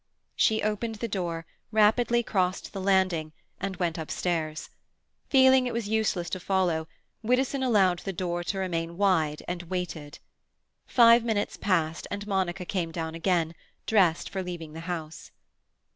She opened the door, rapidly crossed the landing, and went upstairs. Feeling it was useless to follow, Widdowson allowed the door to remain wide, and waited. Five minutes passed and Monica came down again, dressed for leaving the house.